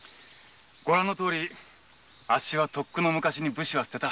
ご覧のとおりあっしはとっくの昔に武士は棄てた。